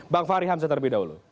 bang fahri hamzah terlebih dahulu